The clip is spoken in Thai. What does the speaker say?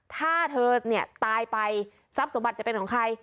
ถ้าเธอเนี่ยตายไปทรัพย์สมบัติจะเป็นของใคร